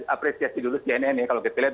apresiasi dulu cnn nih kalau kita lihat